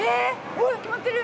もう決まってる？